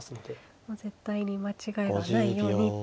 もう絶対に間違いがないようにと。